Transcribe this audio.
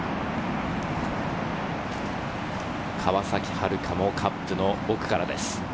川崎春花もカップの奥からです。